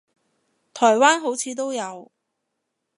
台灣好似都有